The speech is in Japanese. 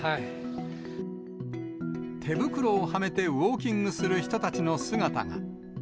手袋をはめてウォーキングする人たちの姿が。